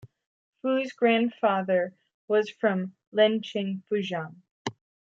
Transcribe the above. Fu's grandfather was from Liancheng, Fujian.